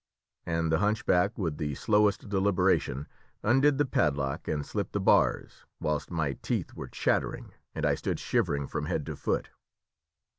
And the hunchback, with the slowest deliberation, undid the padlock and slipped the bars, whilst my teeth were chattering, and I stood shivering from head to foot.